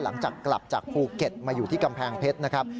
หลังจากกลับจากภูเก็ตมาอยู่ที่กำแพงเพชรนะครับ